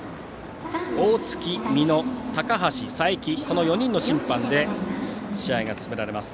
大槻、美野、高橋、佐伯の４人の審判で試合が進められます。